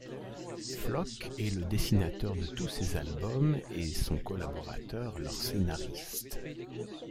Floc'h est le dessinateur de tous ces albums et son collaborateur leur scénariste.